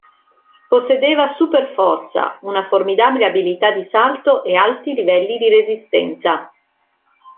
Possedeva super forza, una formidabile abilità di salto e alti livelli di resistenza.